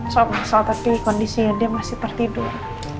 soalnya tadi kondisinya dia masih tertidur